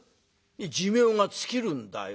「寿命が尽きるんだよ」。